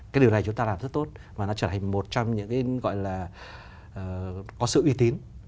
cái điều này chúng ta làm rất tốt mà nó trở thành một trong những cái gọi là có sự uy tín